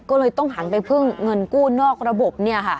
ก็เลยต้องหันไปพึ่งเงินกู้นอกระบบ